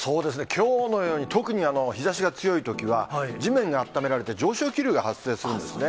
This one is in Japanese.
きょうのように特に日ざしが強いときは、地面があっためられて、上昇気流が発生するんですね。